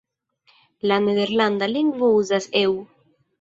La Nederlanda lingvo uzas "eu".